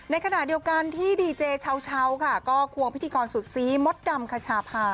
ในขณะเดียวกันที่ดีเจเช้าค่ะก็ควงพิธีกรสุดซีมดดำคชาพา